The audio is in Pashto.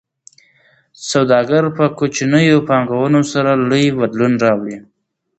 سوداګر په کوچنیو پانګونو سره لوی بدلون راوړي.